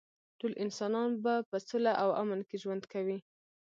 ټول انسانان به په سوله او امن کې ژوند کوي